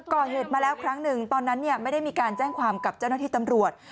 ก่อเหตุมาแล้วครั้งหนึ่งตอนนั้นไม่ได้มีการแจ้งความกับเจ้าหน้าที่ตำรวจ